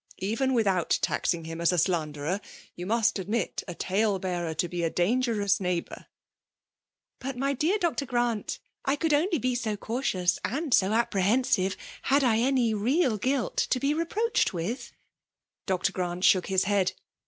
Even without taxing him as a s&uiderer^ you must admit a tale bearer to be a dangerous neighbour? "'' But, my dear Dr. Ghrant, I eould only be so cautious and so apprehensive, had I any real guilt to be reproached with.'' Dr. Ghrant shook his head.